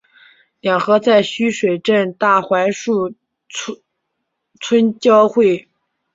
两河在须水镇大榆林村交汇。